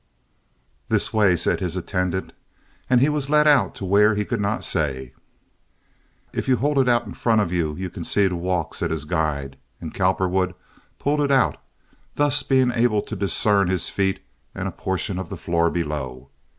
"This way," said his attendant, and he was led out to where he could not say. "If you hold it out in front you can see to walk," said his guide; and Cowperwood pulled it out, thus being able to discern his feet and a portion of the floor below.